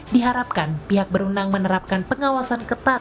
diharapkan pihak berunang menerapkan pengawasan ketat